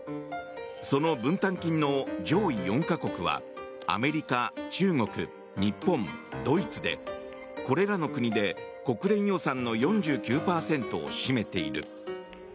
その分担金の上位４か国はアメリカ、中国、日本、ドイツでこれらの国で国連予算の４９％を占めている。